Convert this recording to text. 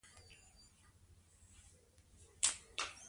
سرمایه د تولید لپاره مهمه ده.